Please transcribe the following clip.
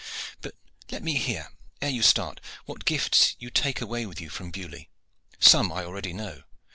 But let me hear, ere you start, what gifts you take away with you from Beaulieu? Some I already know.